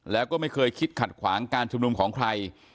แล้วก็ไม่เคยคิดขัดขวางการชุมนุมของใคร